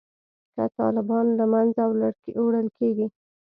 که طالبان له منځه وړل کیږي